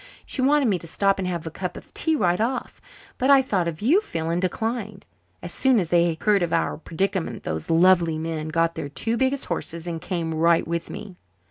She wanted me to stop and have a cup of tea right off, but I thought of you, Phil, and declined. As soon as they heard of our predicament those lovely men got their two biggest horses and came right with me."